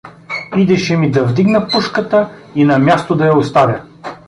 Идеше ми да вдигна пушката и на място да я оставя.